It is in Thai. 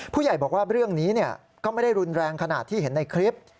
ผู้ใหญ่บอกว่าเรื่องนี้ก็ไม่ได้รุนแรงขนาดที่เห็นในคลิป